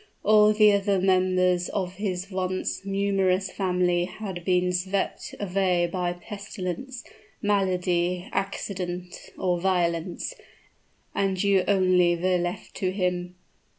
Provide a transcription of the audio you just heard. All the other members of his once numerous family had been swept away by pestilence, malady, accident, or violence; and you only were left to him.